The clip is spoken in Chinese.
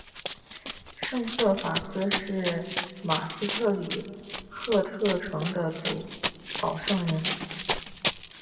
圣瑟法斯是马斯特里赫特城的主保圣人。